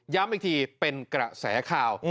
อีกทีเป็นกระแสข่าว